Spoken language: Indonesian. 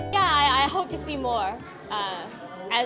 ya saya berharap bisa melihat lebih banyak